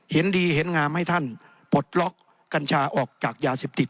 เห็นดีเห็นงามให้ท่านปลดล็อกกัญชาออกจากยาเสพติด